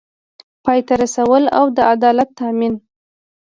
پای ته رسول او د عدالت تامین